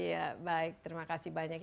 ya baik terima kasih banyak